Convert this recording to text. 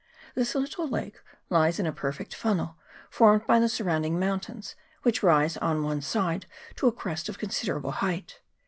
This little lake lies in a perfect funnel, formed by the surrounding mountains, which rise on one side to a crest of considerable height.